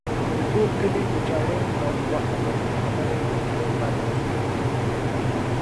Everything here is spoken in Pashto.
د ټول کلي د چاړه او غوښه کولو خبره یې پر زړه بد ولګېده.